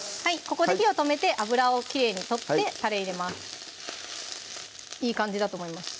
ここで火を止めて油をきれいに取ってたれ入れますいい感じだと思います